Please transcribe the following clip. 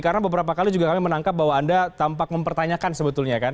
karena beberapa kali juga kami menangkap bahwa anda tampak mempertanyakan sebetulnya kan